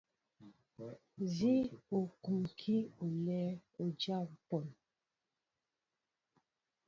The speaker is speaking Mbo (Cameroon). Nzi o kumpi olɛʼ, o dya mpɔŋ.